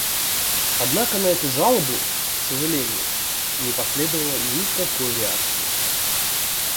Однако на эту жалобу, к сожалению, не последовало никакой реакции.